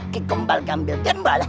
kikumbal gambil kembal